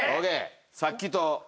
さっきと。